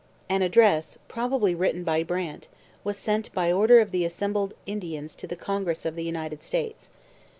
An address, probably written by Brant, was sent by order of the assembled Indians to the Congress of the United States.